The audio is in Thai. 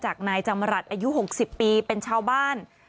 นายจำรัฐอายุ๖๐ปีเป็นชาวบ้าน